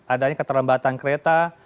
adanya keterlambatan kereta